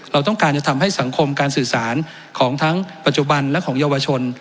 เราต้องการจะทำให้สังคมการสื่อสารของทั้งปัจจุบันและของเยาวชน